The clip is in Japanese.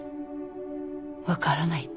わからないって事。